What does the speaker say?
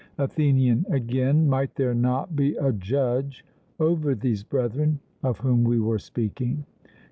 ATHENIAN: Again; might there not be a judge over these brethren, of whom we were speaking?